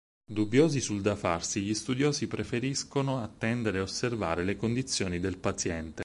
Dubbiosi sul da farsi, gli studiosi preferiscono attendere e osservare le condizioni del paziente.